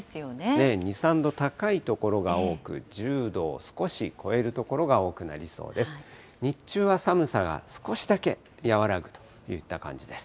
２、３度高い所が多く、１０度を少し超える所が多くなりそうです。